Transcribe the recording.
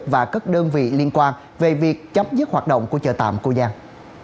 và các đơn vị liên quan về việc chấm dứt hoạt động của chợ tạm cô giang